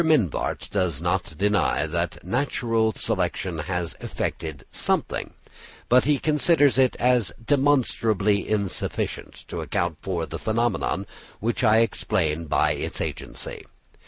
Mivart does not deny that natural selection has effected something; but he considers it as "demonstrably insufficient" to account for the phenomena which I explain by its agency.